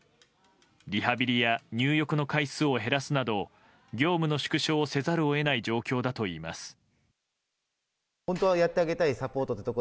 リハビリや入浴の回数を減らすなど業務の縮小をせざるを得ない状況だといいます。